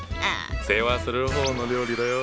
「世話する」方の料理だよ。